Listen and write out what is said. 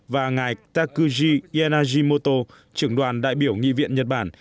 và ngài takuji yênnajimoto trưởng đoàn đại biểu nghị viện nhật bản